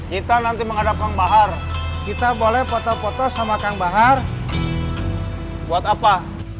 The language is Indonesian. kita nanti menghadapkan bahar kita boleh foto foto sama kang bahar buat apa